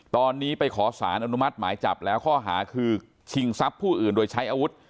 ตอนนี้ไปขอสารอนุมัติหมายจับแล้วข้อหาคือชิงทรัพย์ผู้อื่นโดยใช้อาวุธ